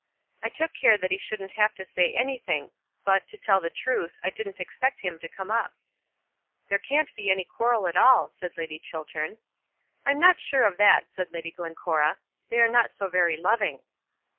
"I took care that he shouldn't have to say anything; but, to tell the truth, I didn't expect him to come up." "There can't be any quarrel at all," said Lady Chiltern. "I'm not sure of that," said Lady Glencora. "They are not so very loving."